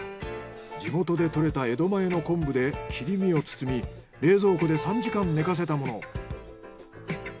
地元で採れた江戸前の昆布で切り身を包み冷蔵庫で３時間ねかせたもの。